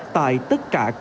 tại tất cả các ngõ ngách